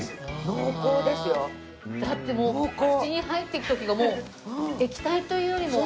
だってもう口に入っていく時がもう液体というよりも。